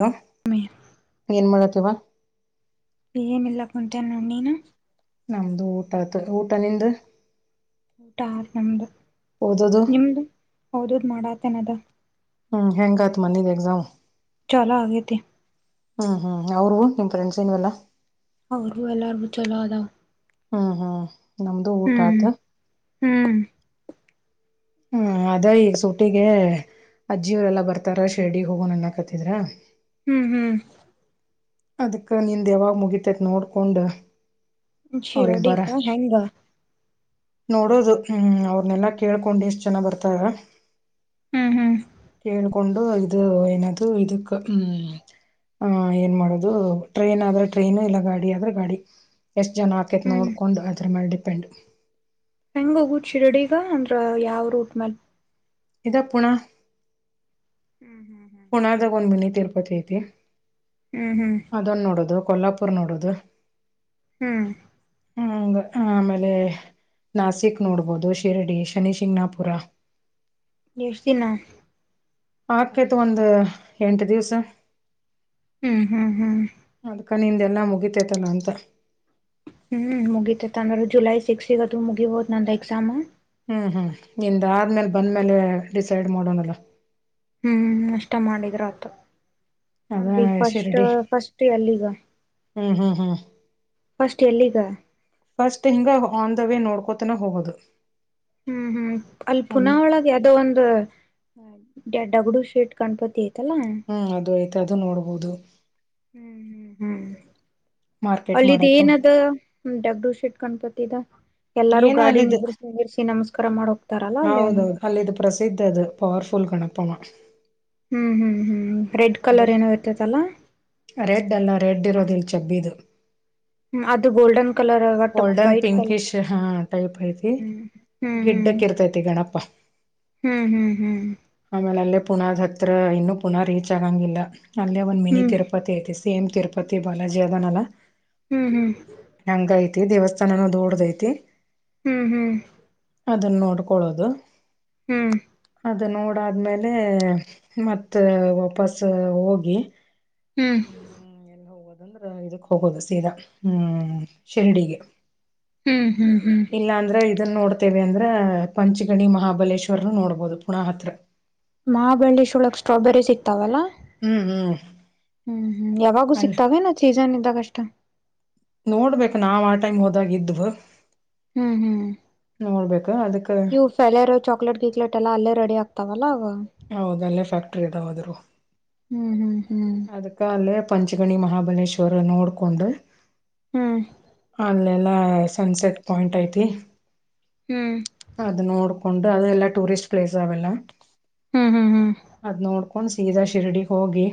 ಹ ಏನ್ ಮಾಡಕತೀವಾ ಎನ್ ಇಲ್ಲಾ ಕುಂತೆ ನ ನೋಡು ನೀನು ನಮ್ದು ಊಟ ಆತ್ ಊಟ ನಿಂದ ಊಟಾ ಆಯ್ತು ನಮ್ದ ಓದೋದು ನಿಮ್ದು ಓದದ್ ಮಾಡಾತನದ ಹ್ಮ್ ಹೆಂಗ ಆಯ್ತು ಮೋನಿ ಎಕ್ಸಾಮ್ ಚಲೋ ಆಗೆತಿ ಹ್ಮ್ ಹ್ಮ್ ಅವ್ರು ಫ್ರೆಂಡ್ಸ್ ಏನ್ವೆಲ್ಲಾ ಅವರು ಎಲ್ಲಾರ್ಗೂ ಚಲೋ ಅದಾವ ಹ್ಮ್ ಹ್ಮ್ ನಮ್ದು ಊಟ ಹ್ಮ್ ಆತ ಹ್ಮ್ ಹ್ಮ ಅದ ಈಗ ಸೂಟಿಗೆ ಅಜ್ಜಿಯವರೆಲ್ಲಾ ಬರ್ತಾರ ಶಿರ್ಡಿ ಹೋಗೋಣನ್ನ ಕತಿದ್ರ ಹ್ಮ್ ಹ್ಮ್ ಅದಕ್ಕ ನಿಂದ್ ಯಾವಾಗ ಮುಗಿತೈತ್ ನೋಡ್ಕೊಂಡ್ ಜಿಡ ಅವ್ರಿಗೆ ಬರ ಹೆಂಗ ನೋಡೋದು ಹ್ಮ್ ಅವ್ರನೆೆಲ್ಲಾ ಕೇಳ್ಕೊಂಡು ಎಷ್ಟು ಜನ ಬರ್ತಾರ ಹ್ಮ್ ಹ್ಮ್ ಕೆೇಳ್ ಕೇಳಕೊಂಡು ಇದು ಏನದು ಇದಕ್ ಹ್ ಆ ಏನ್ ಮಾಡದು ಅದು ಟ್ರೈನ್ ಆದ್ರೆ ಟ್ರೈನು ಇಲ್ಲ ಗಾಡಿ ಆದ್ರೆ ಗಾಡಿ ಎಷ್ಟ್ ಜನ ಆಗ್ತ ಮಾರ್ಕೆಟ್ ಹ್ಮ್ ನೋಡ್ಕೊಂಡು ಅದ್ರ ಮೇಲೆ ಡಿಪೆಂಡ್ ಹೆಂಗ ಹೋಗು ಶಿರಡಿಗ ಅಂದ್ರ ಯಾವ ರೂಟ್ ಮೇಲ್ ಇದು ಪುಣಃ ಹ್ಮ್ ಹ್ಮ್ ಹ್ಮ್ ಪುಣಾದಾಗ ಒಂದ್ ಮಿನಿ ತಿರುಪತಿ ಐತಿ ಹ್ಮ್ ಹ್ಮ್ ಅದೊನ್ ನೋಡೋದು ಕೊಲ್ಲಾಪುರ್ ನೋಡೋದು ಹ್ಮ್ ಹಂಗ ಆಮೇಲೆ ನಾಸಿಕ್ ನೋಡ್ಬೋದು ಶಿರಡಿ ಶನಿಶಿಂಗಣಾಪುರ. ಎಷ್ಟ ದಿನ? ಆಗ್ತೖತು ಒಂದ ಎಂಟು ದಿವ್ಸ. ಹ್ಮ್ ಹ್ಮ್ ಹ್ಮ್ ಅದ್ಕ ನಿಂದೆಲ್ಲಾ ಮುಗಿತೇತನ ಅಂತ. ಹ್ಮ್ ಮುಗಿತೇತ್ ಅಂದ್ರು ಜುಲೈ ಸಿಕ್ಸ್ಗ ಅದು ಮುಗಿಬೊದು ನಂದ್ ಎಕ್ಸಾಮು. ಹ್ಮ್ ಹ್ಮ್ ನಿಂದ್ ಆದ್ಮೇಲ್ ಬಂದ್ಮೇಲೆ ಡಿಸೈಡ್ ಮಾಡೋನಲ್ಲ. ಹ್ಮ್ ಅಷ್ಟ ಮಾಡಿದ್ರಾತು. ಅದ ಅಂದ್ರೀಗ್ ಫಸ್ಟ್ ಶಿರಡಿ ಫಸ್ಟ್ ಎಲ್ಲಿಗ? ಹ್ಮ್ ಹ್ಮ್ ಹ್ಮ್ ಫಸ್ಟ್ ಎಲ್ಲಿಗ? ಫಸ್ಟ್ ಹಿಂಗ ಆನ್ ದ ವೇ ನೋಡ್ಕೋತಾನ ಹೋಗೋದು. ಹ್ಮ್ ಹ್ಮ್ ಅಲ್ಲಿ ಒಂದ್ ಪುನಃ ಒಳಗ್ ಯದೋ ಒಂದು ಡಗಡು ಶೇಟ್ ಗಣಪತಿ ಐತಲ್ಲಾ? ಹ್ಮ್ ಅದು ಐಯ್ತ್ ಅದು ನೋಡ್ಬಹುದು. ಹ್ಮ್ ಹ್ಮ್ ಹ್ಮ್ ಮಾರ್ಕೆಟ್ ಮಾಡಕು ಹಳ್ಳಿದೇನದ? ಡಗಡ ಶೆಟ್ ಗಣ್ಪತಿದ ಎಲ್ಲಾರೂ ಏನ ಅಲ್ಲಿದ್ದು ಗಾಡಿನಿಂದ ಸೇರಿಸಿ ನಮಸ್ಕಾರ ಮಾಡೋಕ್ ಹೌದೌದು ಅಲ್ಲಿದು ಪ್ರಸಿದ್ಧ್ ಅದು ಪವರ್ಫುಲ್ ಗಣಪಮ್ಮ. ಹ್ಮ್ ಹ್ಮ್ ಹ್ಮ್ ರೆಡ್ ಅದ ಕಲರ್ ಏನೋ ಇರ್ತೈತಲ್ಲಾ. ರೆಡ್ ಅಲ್ಲ ರೆಡ್ ಇರೋದಿಲ್ ಚಬ್ಬೀದು. ಅದು ಗೋಲ್ಡನ್ ಕಲರ್ ಒಟ್ ಗೋಲ್ಡನ್ ವೈಟ್ ಕಲರ್ ಪಿಂಕಿಶ್ ಹಾ ಟೖಪ್ ಐತಿ. ಹ್ಮ್ ಹ್ಮ್ ಗಿಡ್ಡಕ್ಕ ಇರ್ತೈತಿ ಗಣಪ. ಹ್ಮ್ ಹ್ಮ್ ಹ್ಮ್ ಆಮೇಲೆ ಅಲ್ಲೇ ಪುನಾದತ್ರ ಇನ್ನೂ ಪುನಾ ರೀಚ್ ಆಗಂಗಿಲ್ಲ ಅಲ್ಲೇ ಒಂದ್ ಮಿನಿ ತಿರುಪತಿ ಐತಿ. ಸೇಮ್ ತಿರುಪತಿ ಬಾಲಾಜಿ ಅದನಲ್ಲ. ಹ್ಮ್ ಹ್ಮ್ ಹಂಗ್ ಐತಿ ದೇವಸ್ಥಾನೂ ದೋಡ್ದ ಐತಿ. ಹ್ಮ್ ಹ್ಮ್ ಅದನ್ನ್ ನೋಡ್ಕೊಳ್ಳೋದು. ಹ್ಮ್ ಅದು ನೋಡಾದ್ಮೇಲೆ ಮತ್ತ ವಾಪಸು ಹೋಗಿ ಹ್ಮ್ ಅಂದ್ರ ಇದಕ್ ಹೋಗೋದು ಸೀದಾ ಹ್ಮ್ ಶಿರ್ಡಿಗೆ. ಹ್ಮ್ ಹ್ಮ್ ಹ್ಮ್ ಇಲ್ಲಾಂದ್ರೆ ಇದನ್ನ್ ನೋಡ್ತೀವಿ ಅಂದ್ರೆ ಪಂಚ್ಗಣಿ ಮಹಾಬಲೇಶ್ವರನೂ ನೋಡ್ಬೋದು ಪುಣಾ ಹತ್ರ. ಮಹಾಬಳ್ಳಿ ಶೋಳಕ್ ಸ್ಟ್ರಾಬೆರಿ ಸಿಗ್ತಾವಲ್ಲಾ. ಹ್ಮ್ ಹ್ಮ್ ಹ್ಮ್ ಹ್ಮ್ ಯಾವಾಗೂ ಅಲ್ಲಿ ಸಿಕ್ತಾವೇನು ಸೀಜನ್ ಇದ್ದಾಗಷ್ಟ? ನೋಡ್ಬೇಕು ನಾವ್ ಆ ಟೈಮ್ ಹೋದಾಗ ಇದ್ವು. ಹ್ಮ್ ಹ್ಮ್ ನೋಡ್ಬೇಕು ಅದಕ್ಕೆ ಪೆಲೆರೋ ಚಾಕ್ಲೇಟ್ ಗೀಕ್ಲೆಟ್ ಎಲ್ಲ ಅಲ್ಲೇ ರೆಡಿ ಆಗ್ತಾವಲ್ಲ ಅವು. ಹೌದ ಅಲ್ಲೇ ಫ್ಯಾಕ್ಟ್ರಿ ಇದವ್ ಅದ್ರವ್. ಹ್ಮ್ ಹ್ಮ್ ಹ್ಮ್ ಕಾಲೇ ಪಂಚ್ಗಣಿ ಮಹಾಬಲೇಶ್ವರ ನೋಡ್ಕೊಂಡು ಹ್ಮ್ ಅಲ್ಲೆಲ್ಲಾ ಸನ್ಸೆಟ್ ಪಾಯಿಂಟ್ ಐತಿ. ಹ್ಮ್ ಅದ ನೋಡ್ಕೊಂಡು ಅದು ಎಲ್ಲಾ ಟೂರಿಸ್ಟ್ ಪ್ಲೇಸ್ ಅವೆಲ್ಲ ಹ್ಮ್ ಹ್ಮ್ ಹ್ಮ್ ಅದ್ ನೋಡ್ ಸೀದಾ ಶಿರಡಿ ಹೋಗಿ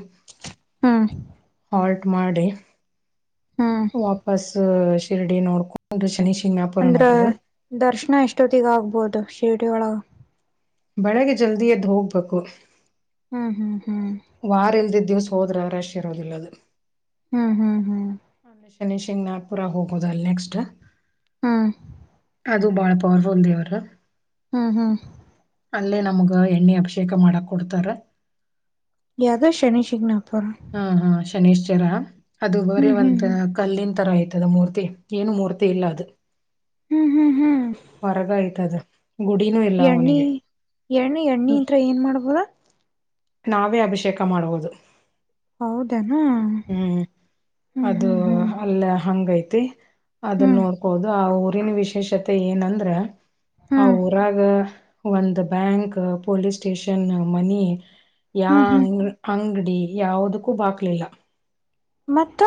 ಹಾ ಹಾಲ್ಟ್ ಮಾಡಿ ಹ್ಮ್ ವಾಪಸ್ ಶಿರ್ಡಿ ನೋಡ್ಕ ಒಂದು ಶನಿ ಶಿಂಗಣಾಪುರ ಅಂದ್ರ ನೋಡುದು ದರ್ಶನ ಎಷ್ಟೊತ್ತಿಗೆ ಆಗ್ಬಹುದು ಶಿರ್ಡಿ ಒಳಗೆ ಬೆಳಗ್ ಜಲ್ದಿ ಎದ್ದು ಹೋಗ್ಬೇಕು ಹ್ಮ್ ಹ್ಮ್ ಹ್ಮ್ ವಾರಲ್ದ ದಿವ್ಸ ಹೋದ್ರೆ ಅವರಾಶ ಇರೋದಿಲ್ಲ ಅದು ಹ್ಮ್ ಹ್ಮ್ ಹ್ಮ್ ನ ಶನಿ ಶಂಗ್ ನಾಗಪುರ ಹೋಗೋದ ಅಲ್ ನೆಕ್ಸ್ಟ್ ಹಾ ಅದು ಬಾಳ ಪವರ್ಫುಲ್ ದೇವರು ಹ್ಮ್ ಹ್ಮ್ ಅಲ್ಲೇ ನಮ್ಗ ಎಣ್ಣೆ ಅಭಿಷೇಕ ಮಾಡಕ್ ಕೊಡ್ತಾರೆ ಯದೋ ಶನಿ ಶಿಕನ ಪರ ಹ್ಮ್ ಹ್ಮ ಶನೇಶ್ವರ ಅದು ಬರಿ ಹ್ಮ್ ಹ್ಮ್ ಒಂತ ಕಲ್ಲಿನ್ ತರ ಐ ಇತದ ಮೂರ್ತಿ ಏನು ಮೂರ್ತಿ ಇಲ್ಲ ಅದು ಹ್ಮ್ ಹ್ಮ್ ಹ್ಮ್ ಹೊರಗ ಯತ ಅದ ಗುಡಿ ಎಣ್ಣಿ ಎಣ್ಣೆ ಎಣ್ಣಿ ಅಂತ ಏನ್ ಮಾಡ್ಬೋದಾ ನಾವೇ ಅಭಿಷೇಕ ಮಾಡುವುದು ಹೌದೇನಾ ಹ್ಮ್ ಹ್ಮ್ ಅದು ಹ್ಮ್ ಹ್ಮ್ ಅಲ್ಲ ಹಂಗೈತಿ ಅದನ್ನ ಹ್ಮ್ ನೋಡ್ಕೋದು ಆ ಊರಿನ ವಿಶೇಷತೆ ಏನಂದ್ರ ಆ ಹ್ಮ್ ಊರಾಗ ಒಂದು ಬ್ಯಾಂಕ್ ಪೊಲೀಸ್ ಸ್ಟೇಷನ್ ಮನಿ ಹ್ಮ್ ಹ್ಮ್ ಯಾಂಗ ಅಂಗಡಿ ಯಾವದಕ್ಕೂ ಬಾಕ್ಲಿಲ್ಲ ಮತ್ತು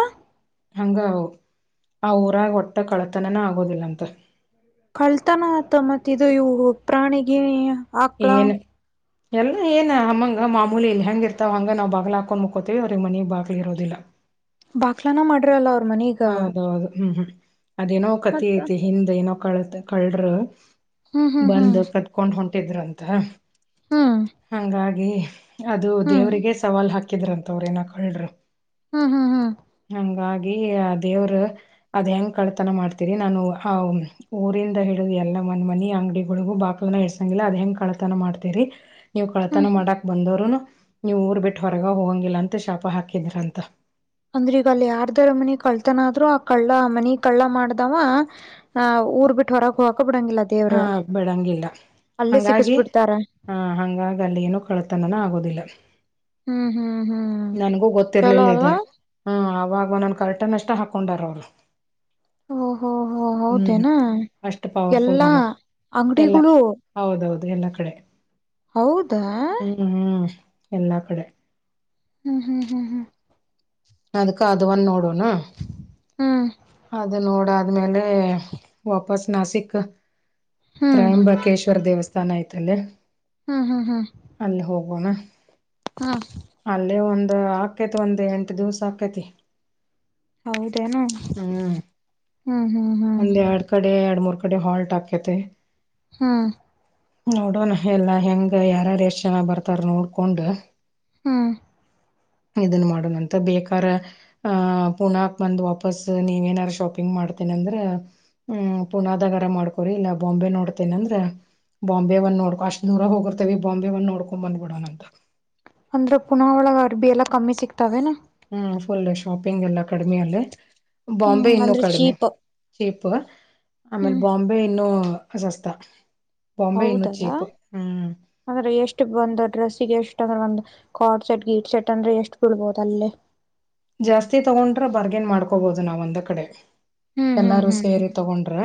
ಹಂಗ ಆ ಊರಾಗ ಒಟ್ಟ ಕಳತನನ ಆಗೋದಿಲ್ಲ ಅಂತ ಕಳ್ತಾನ ಆತ ಮತ್ತ ಇದು ಇವು ಪ್ರಾಣಿಗೆ ಏನು ಎಲ್ಲ ಏನ ಅಮ್ಮಂಗ ಮಾಮೂಲಿ ಇಲ್ಲಿ ಹೆಂಗಗೆ ಇರ್ತಾವ ಹಂಗಗೆ ನಾವು ಬಾಗಲ ಹಾಕೊಂಡ್ ಮುಕೋತೀವಿ ಅವ್ರಿಗೆ ಮನೆಗ್ ಬಾಗಿಲಿ ಇರೋದಿಲ್ಲ ಬಾಕ್ಲಾನ ಮಾಡ್ರರಲ್ಲ ಅವ್ರ ಮನೆಗೆ ಹೌದೌದು ಹ್ಮ್ ಹ್ಮ್ ಅದೇನೋ ಕತಿ ಮತ್ತ ಐತಿ ಹಿಂದ್ ಏನೋ ಕಳತ್ ಕಳರು ಹ್ಮ್ ಹ್ಮ್ ಹ್ಮ್ ಬಂದು ಕತ್ಕೊಂಡ್ ಹೊಂಟಿದ್ರು ಅಂತ ಹ್ಮ್ ಹಂಗಾಗಿ ಅದು ಹ್ಮ್ ದೇವ್ರರಿಗೆ ಸವಾಲ್ ಹಾಕಿದ್ರಂತ ಅವ್ರ ಏನಕ ಹೇಳಲ್ರು ಹ್ಮ್ ಹ್ಮ ಹ್ಮ ಹಂಗಾಗಿ ಆ ದೇವ್ರ ಅದ್ ಹೆಂಗ ಕಳ್ತನ ಮಾಡ್ತೀರಿ ನಾನು ಆ ಊರಿಂದ ಹಿಡಿದು ಎಲ್ಲ ಮಂದ್ ಮನಿ ಅಂಗಡಿಗಳಿಗು ಬಾಕ್ಲನ ಇಡ್ಸಂಗಿಲ್ಲ ಅದ್ ಹೆಂಗ್ ಕಳತನ ಮಾಡ್ತರಿ ನೀವು ಹ್ಮ್ ಕಳತನ ಮಾಡಕ್ ಬಂದೋರುನು ನೀವು ಊರ್ ಬಿಟ್ಟು ಹೊರಗ ಹೋಗಂಗಿಲ್ಲ ಅಂತ ಶಾಪ ಹಾಕಿದ್ರಂತ ಅಂದ್ರ ಈಗ ಅಲ್ಲಿ ಯಾರ್ದಾರ ಮನ ಕಳ್ತನ ಆದ್ ಆ ಕಳ್ಳ ಮನಿ ಕಳ್ಳ ಮಾಡ್ದಾವ ಆ ಊರ್ ಬಿಟ್ಟು ಹೊರಗೆ ಹಕ ಬಿಡಂಗಿಲ್ಲ ಹಾ ದೇವರು ಅಲ್ಲೇ ಸಿಗಸ್ ಬಿಡ್ತಾರ ಹಾ ಹಂಗಾಗಿ ಅಲ್ಲಿ ಏನು ಕಳತನನ ಆಗೋದಿಲ್ಲ ಹ್ಮ್ ಹ್ಮ್ ಹ್ಮ್ ನನ್ಗೂ ಚಲೋ ಗೊತ್ತಿರ್ಲಿಲ್ಲ ಇದೆ ಅಲ್ವಾ ಹ್ಮ್ ಅವಾಗೊನ್ ಕರ್ಟನ್ ಎಷ್ಟ ಹಾಕೊಂಡಾರ ಅವ್ರು. ಓಹೋ ಹೋ ಹೌದೇನಾ ಎ ಇಲಮ ಎಲ್ಲಾ ಹೌದೌದು ಎಲ್ಲಾ ಕಡೆ. ಹೌದಾ ಹ್ಮ್ ಹ್ಮ್ ಎಲ್ಲಾ ಕಡೆ. ಹ್ಮ್ ಹ್ಮ್ ಹ್ಮ್ ಹ್ಮ್ ಅದ್ಕ ಅದು ಒಂದ ನೋಡೋಣ. ಹ್ಮ್ ಅದು ನೋಡಾದ್ಮೇಲೆ ವಾಪಸ್ ನಾಸಿಕ್. ಹ್ಮ್ ತ್ರಯಂಬಕೇಶ್ವರ ದೇವಸ್ಥಾನ ಐತ್ತಲ್ಲೆ. ಹ್ಮ್ ಅಲ್ ಹೋಗೋಣ. ಹ್ಮ ಅಲ್ಲೇ ಒಂದ್ ಆಗ್ತೈತಿ ಒಂದ್ ಎಂಟ ದಿವ್ಸ ಹಾಕೈತಿ. ಹೌದೇನು ಹ್ಮ್ ಹ್ಮ್ ಹ್ಮ್ ಬಾ ಒಂದ್ ಎರಡ್ ಕಡೆ ಎರಡು ಮೂರ್ ಕಡೆ ಹಾಲ್ಟ್ ಹಾಕ್ಯತೆ. ಹ್ಮ ನೋಡೋಣ ಎಲ್ಲಾ ಹೆಂಗ ಯಾರಾರು ಎಷ್ಟ್ ಜನ ಬರ್ತಾರ ನೋಡ್ಕೊಂಡ್. ಹ್ಮ ಇದನ್ ಮಾಡೋಣಂತ ಬೇಕಾರೆ. ಆ್ ಪುಣಕ್ ಬಂದ ವಾಪಸ್ ನೀವ ಏನಾದಾರು ಶಾಪಿಂಗ್ ಮಾಡ್ - ಅಂದ್ರ ಹ್ಮ್ ಪುನಾದಗರ ಮಾಡ್ಕೊರಿ ಇಲ್ಲ ಬಾಂಬೆ ನೋಡ್ತೇನ ಅಂದ್ರ. ಬಾಂಬೆ ಬಂದ ನೋಡ್ಕೊ ಅಷ್ಟು ದೂರ ಹೋಗಿರ್ತವಿ ಬಾಂಬೆ ಒಂದ ನೋಡ್ಕೊ ಬ್ಬಿಡಣ ಅಂತ. ಅಂದ್ರೆ ಪುನ ಒಳ ಅರ್ಬಿ ಎಲ್ಲಾ ಕಮ್ಮಿ ಸಿಕ್ತವೆನಾ. ಹ್ಮ್ ಫುಲ್ ಶಾಪಿಂಗ್ ಎಲ್ಲ ಕಡಿಮೆ ಅಲ್ಲೇ ಹ್ಮ್ ಬಾಂಬೆ ಇನ್ನುೂ ಅಂದ್ರೆ ಕಡಿಮೆ. ಚೀಪ್ ಚೀಪ್ ಆಮೇಲ್ ಹ್ಮ್ ಬಾಂಬೆ ಇನ್ನುೂಸಸ್ತ. ಬಂಬೆ ಇನ್ನೂ ಹೌದದಾ ಚಿಪು ಹ್ಮ್ ಅಂದ್ರೆ ಎಷ್ಟು ಬಂದು ಡ್ರೆಸ್ಸಿಗೆ ಎಷ್ಟು ಅಂದ್ರೆ ಒಂದು ಕಾರ್ಡ್ ಸೆಟ್ ಗೀಟ್ ಸೆಟ್ ಅಂದ್ರೆ ಎಷ್ಟು ಬೀಳ್ಬಹುದು ಅಲ್ಲೇ. ಜಾಸ್ತಿ ತಗೊಂಡ್ರ ಬರ್ಗೇನ್ ಮಾಡ್ಕೋಬಹದು ನಾವ ಒಂದ್ ಕಡೆ. ಹ್ಮ್ ಹ್ಮ್ ಎಲ್ಲಾರು ಹ್ಮ್ ಸೇರಿ ಹ್ಮ್ ತಗೊಂಡ್ರ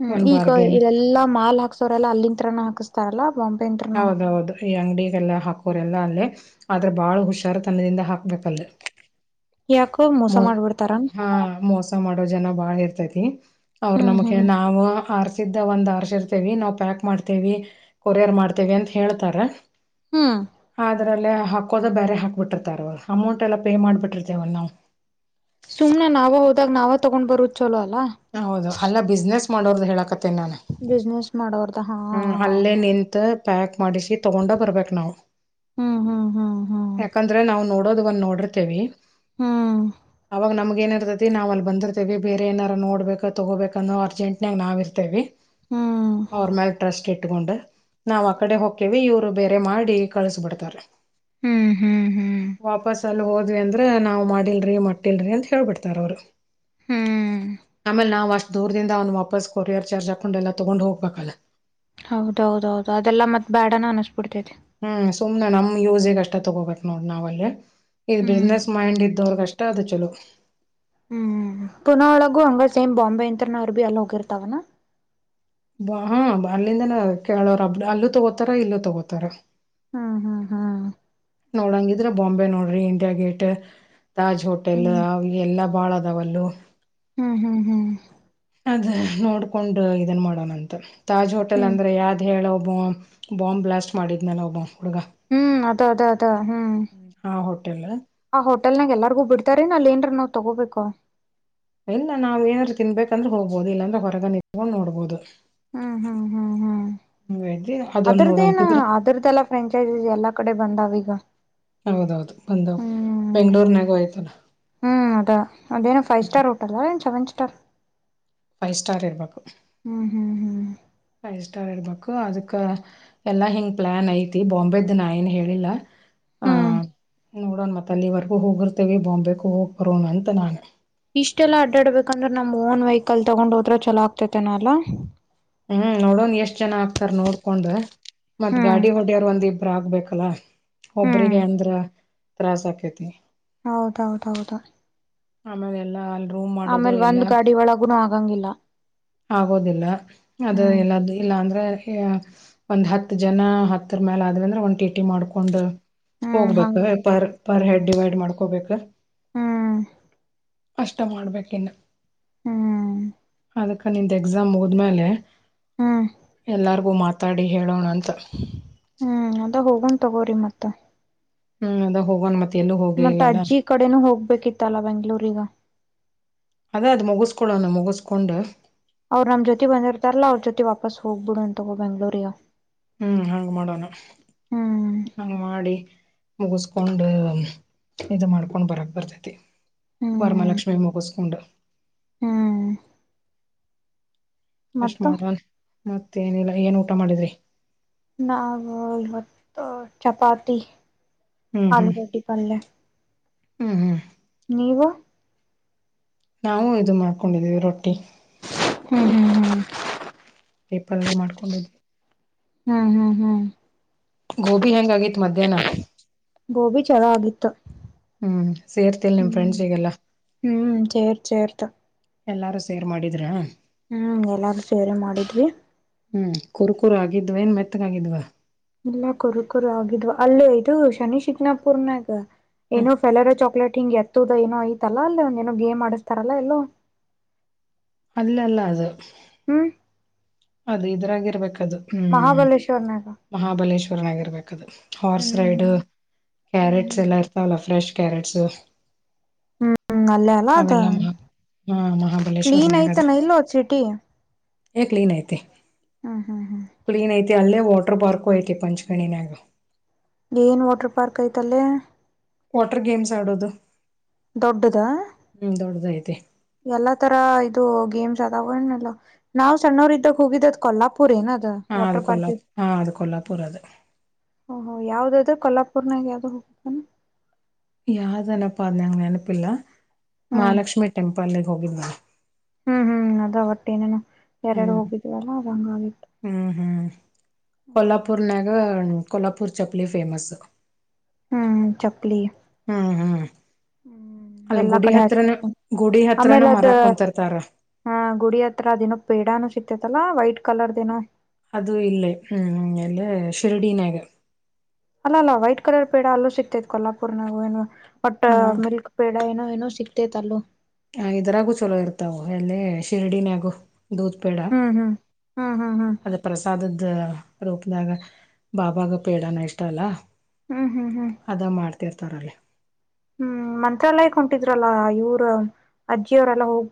ಹ್ಮ್ ಒಂದ್ ಈಗ ಬಾರ್ಗೇನ್ ಇದೆಲ್ಲಾ ಮಾಲ್ ಹಾಕ್ಸ ದರೆಲ್ಲ ಅಲ್ಲಿಂದ ತರ ಹಾಕಸ್ತಾರಲ್ಲ ಬಾಂಬ್ ಹೌದೌದು ಈ ಅಂಗಡಿಗೆಲ್ಲಾ ಹಾಕೋರೆ ಎಲ್ಲಾ ಅಲ್ಲೇ ಆದ್ರೆ ಬಾಳ ಹುಷಾರ ತನದಿಂದ ಹಾಕ್ಬೇಕಲ್ಲಿ. ಯಾಕೋ ಮೋಸ ಮೊ ಮಾಡ್ಬಿಡ್ತಾರ ಹಾ ಮೊಸ ಅರ್ಥ ಮಾಡೋ ಜನ ಬಾಳ ಇರ್ತೈತಿ ಅವ್ರ ಹ್ಮ್ ನಮಗೆ ಹ್ಮ್ ನಾವ ಸಿದ್ಧ ಒಂದ್ ಆರ್ಶ ಇರ್ತೇವಿ ನಾವ್ ಪ್ಯಾಕ್ ಮಾಡ್ತೇವಿ ಕೊರಿಯರ್ ಮಾಡ್ತೇವಿ ಅಂತ ಹೇಳ್ತಾರೆ. ಹ್ಮ ಅದರಲ್ಲೇ ಹಾಕ್ಕೋದ ಬೇರೆ ಹಾಕ್ಬಿಟ್ಟಿರ್ತಾರೆ ಅವರು ಅಮೌಂಟ್ ಎಲ್ಲ ಪೇ ಮಾಡಿಬಿಟ್ಟಿರ್ತೇವಲ್ಲ ನಾವು. ಸುಮ್ನೆ ನಾವೆ ಹೋದಾಗ ನಾವೆ ತಗೊಂಡ್ ಬರುದ್ ಚಲೋ ಅಲ್ಲಾ. ಹ ಹೌದು ಅಲ್ಲಾ ಬಿಸ್ನೆಸ್ ಮಾಡೋರ್ದು ಹೇಳಕತ್ತೇನೆ ನಾನು. ಬಿಸ್ನೆಸ್ ಮಾಡೋರ್ದ ಹಾ ಹ್ಮ್ ಅಲ್ಲೇ ನಿಂತ ಪ್ಯಾಕ್ ಮಾಡಿಸಿ ತಗೊಂಡ ಬರ್ಬೇಕ ನಾವು. ಹ್ಮ್ ಹ್ಮ್ ಹ್ಮ್ ಹ್ಮ್ [inaudible] ಎಕ ಅಂದ್ರೆನಾ ವ್ ನೋಡೋದ್ ಒಂದ್ ನೋಡಿರ್ತೇವಿ ಹ್ಮ್ ಅವಾಗ ನಮಗ ಏನರ್ ನಾವ್ ಅಲ್ಲಿ ಬಂದಿರ್ತೇವೆ ಬೇರೆ ಏನಾರ ನೋಡ್ಬೇಕು ತಗೋಬೇಕ ಅನ್ನೋ ಅರ್ಜೆಂಟ್ನಾಗ ನಾವ್ ಇರ್ತೇವಿ. ಹ್ಮ್ ಅವರ್ಮಲ್ ಟ್ರಸ್ಟ್ ಇಟ್ಕೊಂಡ್ ನಾವ್ ಆ ಕಡೆ ಹೋಗ ಇವರು ಬೇರೆ ಮಾಡಿ ಕಳಸ್ಬಿಡ್ತಾರೆ ಹ್ಮ್ ಹ್ಮ್ ಹ್ಮ್ ವಾಪಸ್ ಸಲ್ ಹೋದ್ವಿ ಅಂದ್ರ ನಾವ್ ಮಾಡಿಲ್ರಿ ಮಟ್ಟಿಲ್ರರಿ ಅಂತ ಹೇಳೇಳ್ಬಿಡ್ತಾರ ಅವರು ಹ್ಮ್ ಆಮೇಲೆ ನಾವ್ ಅಷ್ಟ್ ದೂರ್ದಿಂದ ಅವ್ನ್ ವಾಪಸ್ ಕೊರಿಯರ್ ಚಾರ್ಜ್ ಹಾಕೊಂಡು ಎಲ್ಲಾ ತಗೊಂಡ್ ಹೋಗ್ಬೇಕಲ್ಲ ಹೌದೌದೌದು ಅದೆಲ್ಲಾ ಮತ್ತತ್ ಬೇಡನ ಅನಿಸಬಿಡ್ತೇತಿ ಹ್ಮ್ ಸುಮ್ನೆ ನಮ್ ಯೂಸಿಗೆ ಅಷ್ಟ ತಗೋಬೇಕಕ್ ನೋಡ ನಾವ್ ಅಲ್ಲಿ ಇ್ ಹ್ಮ್ ಬಿಸ್ನೆಸ್ ಮೈಂಡ್ ಇದ್ದವರ್ಗ್ ಅಷ್ಟ ಊಟ ಅದ ಚಲೋ ಹ್ಮ್ ಪುನ ಒಳಗು ಹಂಗ ಬಾಂಬೆ ಅಂಂತನರ್ ಭಿ ಅಲ್ಲಿ ಹೋಗಿರ್ತವನಾ ಬ ಹಾ ಅಲ್ಲಿಂದನ ಕೇಳೋರಬ್ ಅಲ್ಲೂ ತಗೋತಾರ ಇಲ್ಲೂ ತಗೋತಾರ ಹಾ ಹಾ ಹಾ ನೋಡಂಗಿದ್ರೆ ಬಾಂಬೆ ನೋಡ್ರಿ ಇಂಡಿಯಾ ಗೇಟ್ ತಾಜ್ ಹೋಟೆಲ್ ಹ್ಮ್ ಎಲ್ಲ ಭಾಳದವಲ್ಲೂ ಹ್ಮ್ ಹ್ಮ್ ಹ್ಮ್ ಅದ ನೋಡ್ಕೊಂಡು ಇದನ್ ಮಾಡೋಣಂತ ತಾಜ್ ಹೋಟೆಲ್ ಹ್ಮ್ ಅಂದ್ರೆ ಯ ಅಂತ ಹೇಳ ಬ ಬಾಂಬ್ ಬ್ಲಯಾಸ್ಟ್ ಮಾಡಿದ್ನಲೆ ಒಬ್ಬ ಹುಡುಗ ಹ್ಮ್ ಅದ ಅದ ಅದ ಹ್ಮ್ ಆ ಹೋಟೆಲ್ ಆ ಹೋಟಲ್ನ ಎಲ್ಲಾರ್ಗು ಬಿಡ್ತಾರ ನ ಅಲ್ಲಿ ನ್ರ ನಾವ್ ತಗೋಬೇಕು ಇಲ್ಲ ನಾವ್ ಏನಾದ್ರು ತಿನ್ಬೇಕಂದ್ರೆ ಹೋಗ್ಬೋುದು ಇಲ್ಲಾಂದ್ರೆ ಹೊರಗ ನಿಕೊಂಡು ನೋಡ್ಬೋದು ಹ್ಮ್ ಹ್ಮ್ ಹ್ಮ್ ಹ್ಮ್ ಹಂಗಾಗಿ ಅದೊಂದ್ ಅದ್ರದ್ದೇನ ನೋಡಂಗಿದ್ರ ಅದ್ರದ್ದಲ್ಲ ಫ್ರಾಂಚೈಸೀಸ್ ಎಲ್ಲಾ ಕಡೆ ಬಂದಾವೀಗ ಹೌದೌದು ಬಂದವು ಬೆಂಗ್ಳೂರ್ನಾಗು ಆಯ್ತನ ಹ್ಮ್ ಅದ ಅದೇನು ಫೈವ್ ಸ್ಟಾರ್ ಹೋಟಲ್ ಏನು ಸೆವೆನ್ ಸ್ಟಾರ್ ಫೈವ್ ಸ್ಟಾರ್ ಇರಬೇಕು ಹ್ಮ್ ಹ್ಮ್ ಹ್ಮ ಫೈವ್ ಸ್ಟಾರ್ ಇರ್ಬೇಕು ಅದಕ್ಕೆ ಎಲ್ಲಾ ಹಿಂಗ್ ಪ್ಲಾನ್ ಐತಿ ಬಾಂಬೆ್ದ ನಾ ಏನ್ ಹೇಳಿಲ್ಲಾ ಆ ಹ್ಮ್ ನೋಡೋಣ ಮತ್ತ ಅಲ್ಲಿವರೆಗೂ ಹೋಗಿರ್ತೇವಿ ಬಾಂಬೆಗೂ ಹೋಗ್ ಬರೋಣ ಅಂತ ನಾನು ಇಷ್ಟೆಲ್ಲ ಅಡ್ಡಾಡ್ಬೇಕಂದ್ರೆ ನಮ್ ಓನ್ ವೆಹಿಕಲ್ ತಗೊಂಡ್ ಹೋದ್ರೆ ಚಲೋ ಆಗ್ತೈತೆೇನಲ್ಲಾ ಹ್ಮ್ ನೋಡನ್ ಎಷ್ಟ್ ಚನ ಆಗ್ತಾರ ನೋಡ್ಕೊಂಡ್ ಮತ್ ಹ್ಮ್ ಗಾಡಿ ಹೊಡ್ಯರು ಒಂದ ಇಬ್ರ ಆಗ್ಬೇಕಲ್ಲ ಹ್ಮ್ ಒಬ್ರಿಗೆ ಅಂದ್ರ ತ್ರಾಸ ಆಕೇತಿ ಹೌದೌದೌದು ಆಮದೆ ಎಲ್ಲ ಆ ಆಮೇಲ್ ಒಂದ್ ಗಾಡಿ ಒಳಗುನು ಆಗಂಗಿಲ್ಲ ಆಗೋದಿಲ್ಲ ಅದು ಹ್ಮ್ ಎಲ್ಲ ಇಲ್ಲ ಅಂದ್ರೆ ಒಂದ್ ಹತ್ ಜನ ಹತ್ತರ ಮೇಾಲ ಆದ್ ಅಂದ್ರೆ ಒಂದ ಟಿ ಟಿ ಮಾಡ್ಕೊಂಡ್ ಹ್ಮ್ ಹೋಗ್ಬೇಕ ಹಂಗೆ ಪರ್ ಪರ್ ಹೆಡ್ ಡಿವೈಡ್ ಮಾಡ್ಕೋಬೇಕ ಹ್ಮ್ ಅಷ್ಟ ಮಾಡ್ಬೇಕ ಇನ್ನು ಹ್ಮ್ ನಿಂದ ಎಕ್ಸಾಮ್ ಹೋದ್ಮೇಲೆ ಹ್ಮ್ ಎಲ್ಲಾರ್ಗು ಮಾತಾಡಿ ಹೇಳೋಣ ಅಂತ ಹ್ಮ್ ಅದ ಹೋಗೊಂಡ್ ತಗೋರಿ ಮತ್ತತ್ ಹ್ಮ್ ಅದ ಹೋಗಣ ಮತ್ತೆ ಎಲ್ಲೂ ಹೋಗೇ ಮತ್ತತ್ ಇಲ್ಲಲ್ಲ ಅಜ್ಜಿ ಕಡೆನೂ ಹೋಗ್ಬೇಕಿತ್ತಲ್ಲಾ ಬೆಂಗ್ಳೂರಿಗ ಅದೇ ಅದು ಮುಗಿಸ್ಕೊಳೋಣ ಮುಗಿಸ್ಕೊಂಡು ಅವ್ ನಮ್ ಜೊ ಬಂದರ್ತಾರಲ್ಲ ಅವ್ರ ಜೊ ವಾಪಸ್ ಹೋಗ್ಬ ಬಿಡು ಅ ತಗೋ ಬೆಂಗ್ಗಳೂರಿಗ ಹ್ಮ್ ಹಂಗ ಮಾಡೋಣ ಹ್ಮ್ ಹಂಗ ಮಾಡಿ ಮುಗಿಸಕೊಂಡ್ ಇದ ಮಾಡ್ಕೊಂಡ್ ಬರಕ್ ಬರ್ತೈತಿ. ಹ್ಮ್ ವರಮಾಲಕ್ಷ್ಮಿ ಮುಗಸ್ಕೊಂಡು ಹ್ಮ್ ಅಷ್ಟ್ ಮತ್ತ ಮಾಡಲ್ ಮತ್ತೇನಿಲ್ಲ ಏನ್ ಊಟ ಮಾಡಿದ್ರಿ ನಾವ ಇವತ್ತ ಚಪಾತಿ ಹ್ಮ್ ಹ್ಮ್ ಆಲೂಗಡ್ಡಿ ಪಲ್ಯ ಹ್ಮ್ ಹ್ಮ್ ನೀವು ನಾವು ಇದು ಮಾಡ್ಕೊಂಡಿದ್ದೀವಿ ರೊಟ್ಟಿ ಹ್ಮ್ ಹ್ಮ್ ಹ್ಮ್ ಪೀಪಲ್ಲೇ ಮಾಡ್ಕೊಂಡಿದ್ವಿ. ಹ್ಮ್ ಹ್ಮ್ ಹ್ಮ್ ಗೋಬಿ ಹೆಂಗ ಆಗಿತ್ತ ಮಧ್ಯಾಹ್ನ ಗೋಬಿ ಚಲೋ ಆಗಿತ್ತ ಹ್ಮ್ ಸೇರ್ತಿಲ್ ನಿಮ್ ಫ್ರೆಂಡ್ಸಗೆಲ್ಲ. ಹ್ಮ್ ಸೇರ್ ಸೇರ್ತ ಎಲ್ಲಾರು ಸೇರ್ ಮಾಡಿದ್ರ ಹ್ಮ್ ಎಲ್ಲಾರೂ ಸೇರೆ ಮಾಡುದರಿ ಹ್ಮ್ ಕುರುಕುರು ಆಗಿದ್ವ ಏನ್ ಮೆತ್ತಗ ಆಗಿದ್ವಾ. ಇಲ್ಲ ಕುರು ಕುರು ಆಗಿದ್ವ ಅಲ್ಲ ಇದು ಶನಿ ಶಿಕನಾಪುರ್ನಾಗ. ಏನೋ ಫೆಲರೋ ಚಾಕ್ಲೇಟ್ ಹಿಂಗ ಎತ್ತದ ಏನೋ ಐತಲ್ಲ ಒಂದ ಏನೋ ಗೇಮ್ ಆಡಸ್ತಾರಲ್ಲ ಎಲ್ಲೋ ಅಲ್ಲ ಅಲ್ಲ ಅದು ಹ್ಮ್ ಅದ ಇದ್ರಾಗ ಇರಬೇಕ ಅದು ಮಹಾಬಲೇಶ್ವನ. ಮಹಾಬಲೇಶ್ವರನಗರ್ಬೇಕದು ಹಾರ್ಸ್ ಹ್ಮ್ ರೈಡ್ ಹ್ಮ್ ಕ್ಯಾರೆಟ್ಸ್ ಹ್ಮ್ ಎಲ್ಲ ಇ ಅವೌಲ್ಲ ಫ್ರೆಶ್ ಕ್ಯಾರೆಟ್ಸು. ಹ್ಮ್ ಅಲ್ಲೇ ಅಲ್ಲ ಅದ ಅವೆಲ್ಲ ಮಾ ಹಾ ಮಹಾಬಲೇಶ್ವರ್ನೇಗ ಅದಾವ ಚೀಟಿ ಏ ಕ್ಲೀನ್ ಐತಿ ಹಾ ಹಾ ಹಾ ಕ್ಲೀನ್ ಐತಿ ಅಲ್ಲೇ ವಾಟರ್ ಪಾರ್ಕ್ ಐತಿ ಪಂಚಕಣಿನ್ಯಾಗ ಏನ್ ವಾಟರ್ ಪಾರ್ಕ್ ಐತಲ್ಲೇ ವಾಟರ್ ಗೇಮ್ಸ್ ಆಡೋದು ದೊಡ್ಡದ ಹ್ಮ್ ದೊಡ್ಡದ ಐತಿ ಎಲ್ಲಾ ತರ ಇದು ಗೇಮ್ಸ್ ಅದಾವ ಏನ ಇಲ್ಲ ನಾವ್ ಸಣ್ಣವರ್ ಇದ್ದಾಗ ಹೋಗಿದ್ದದ್ ಕೊಲ್ಲಾಪುರ್ ಏನ ಅದು ಹ ಅದು ಕೊಲ್ಲಾ ಹ ಅದು ಕೊಲ್ಲಾಪುರ ಓಹೋ ಯಾವುದದು ಕೊಲ್ಲಾಪುರನಾಗ್ ಯಾವದ ಹ ಯಾವ್ದನಪಾ ಅದ್ ನಂಗ ನೆನಪಿಲ್ಲ ಮಹಾಲಕ್ಷ್ಮಿ ಟೆಂಪಲ್ ಗೆ ಹೋಗಿದ್ ನಾ ಹ್ಮ್ ಹ್ಮ್ ಅದ ಒಟ್ಟಏನನು ಯಾರಾರ ಹ್ಮ್ ಹೋಗಿದಿರಲ್ಲ ಅದ ಹಂಗ ಆಗಿತ್ತು. ಹ್ಮ್ ಹ್ಮ್ ಕೊಲ್ಲಾಪುರ್ ನ್ಯಾಗ ಕೊಲ್ಲಾಪುರ ಚಪ್ಪಲಿ ಫೇಮಸ್. ಹ್ಮ್ ಚಪ್ಪಲಿ. ಹ್ಮ್ ಹ್ಮ್ ಹ್ಮ್ ಅಲ್ಲಿ ಎಲ್ಲಾ ಗುಡಿ ಕಡೆ ಹಚ್ಕ ಹತ್ರನ ಕುಂತ ಗುಡಿ ಹತ್ರನ ಆಮೇಲೆ ಅದ ಮರಾಕ್ ಕುಂತಿರ್ತಾರ ಹಾ ಗುಡಿ ಹತ್ರ ಅದೇನ ಪೇಡಾನ ಸಿಕ್ತೇತಲ್ಲಾ ವೈಟ್ ಕಲರ್ ದೆನೋ ಅದು ಇಲ್ಲೇ ಹ್ಮ್ ಆಮೇಲೆ ಶಿರಡಿನ್ಯಾಗೆ ಅಲ್ಲ ಅಲ್ಲ ವೈಟ್ ಕಲರ್ ಪೇಡ ಅಲ್ಲೂ ಸಿಕ್ತೇತ್ ಕೊಲ್ಲಾಪುರ್ ನಾಗ ಒಟ್ಟ ಹ ಮಿಲ್ಕ್ ಪೇಡ ಏನೋ ಏನೋ ಸಿಕ್ತೇತ್ ಅಲ್ಲೋ ಹ ಇದ್ರಾಗು ಚಲೋ ಇರ್ತಾವ ಎಲ್ಲ ಶಿರ್ಡಿನಾಗು ದೂದ್ ಪೇಡ ಹ್ಮ್ ಹ್ಮ್ ಹ್ಮ್ ಹ್ಮ್ ಹ್ಮ್ ಅದ ಪ್ರಸಾದದ ರೂಪದಾಗ ಬಾಬಾಗ ಪೇಡನ ಇಷ್ಟ ಅಲ್ಲ. ಹ್ಮ್ ಹ್ಮ್ ಹ್ಮ್ ಅದ ಮಾಡ್ತಿರ್ತಾರ ಅಲ್ಲೆ ಹ್ಮ್ ಮಂತ್ರಾಲಯಕ್ ಹೊಂಟೀದ್ರಲ್ಲ ಇವರು ಅಜ್ಜಿ ಅವರೆಲ್ಲಾ ಹೋಗ್